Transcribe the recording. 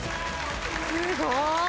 すごい！